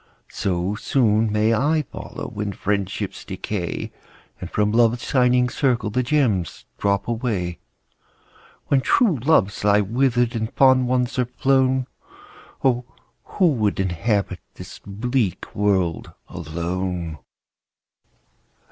So soon may I follow, When friendships decay, And from Love's shining circle The gems drop away. When true hearts lie wither'd, And fond ones are flown, Oh ! who would inhabit This bleak world alone